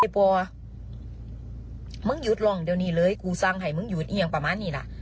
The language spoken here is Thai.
มึงหยุดร่องเดี๋ยวนี้เลยกูสั่งให้มึงหยุดเอียงประมาณนี้ล่ะ